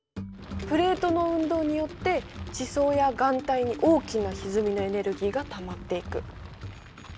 プレートの運動によって地層や岩体に大きなひずみのエネルギーが溜まっていく。